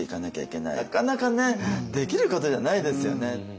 なかなかねできることじゃないですよね。